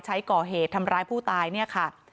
ใช้ก่อเหตุทำร้ายผู้ตาย